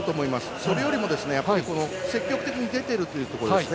それよりも、積極的に出ているというところですね。